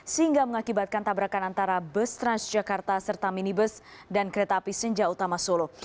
sehingga mengakibatkan tabrakan antara bus transjakarta serta minibus dan kereta api senja utama solo